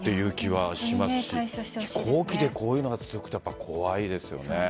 飛行機でこういうのが続くと怖いですよね。